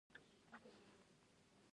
کابل د افغانستان د جغرافیې بېلګه ده.